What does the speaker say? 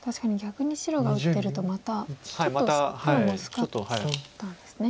確かに逆に白が打ってるとまたちょっと黒も薄かったんですね。